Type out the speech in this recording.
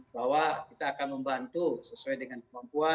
bahwa kita akan membantu sesuai dengan kemampuan